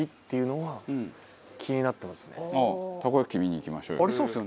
たこ焼き器見に行きましょうよ。